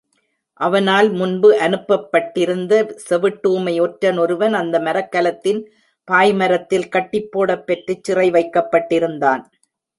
அவனால் முன்பு அனுப்பப்பட்டிருந்த செவிட்டூமை ஒற்றன் ஒருவன் அந்த மரக்கலத்தின் பாய்மரத்தில் கட்டிப்போடப் பெற்றுச் சிறை வைக்கப்பட்டிருந்தான்.